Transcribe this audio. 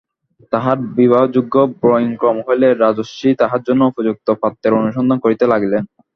তাঁহার বিবাহযোগ্য বয়ঃক্রম হইলে রাজর্ষি তাঁহার জন্য উপযুক্ত পাত্রের অনুসন্ধান করিতে লাগিলেন।